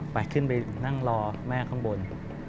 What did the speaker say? ไปขึ้นไปนั่งรอแม่ข้างบน